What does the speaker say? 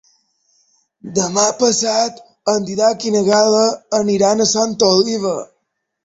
Demà passat en Dídac i na Gal·la aniran a Santa Oliva.